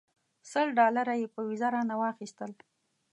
سل ډالره یې په ویزه رانه واخیستل.